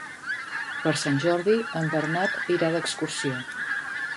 Per Sant Jordi en Bernat irà d'excursió.